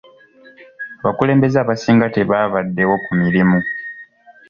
Abakulembeze abasinga tebabaddeewo ku mirimu.